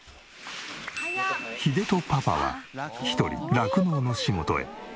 秀人パパは一人酪農の仕事へ。